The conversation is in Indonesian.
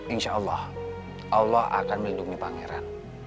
insya allah allah akan melindungi pangeran